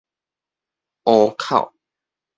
唔口